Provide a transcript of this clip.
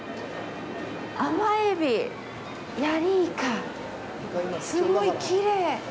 甘エビ、ヤリイカ、すごいきれい。